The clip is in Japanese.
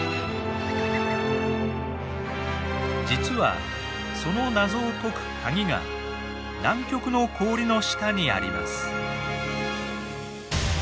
実はその謎を解くカギが南極の氷の下にあります。